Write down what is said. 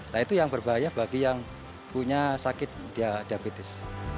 nah itu yang berbahaya bagi yang punya sakit diabetes